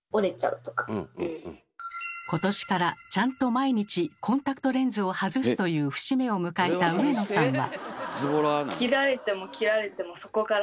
今年からちゃんと毎日コンタクトレンズを外すという節目を迎えたウエノさんは。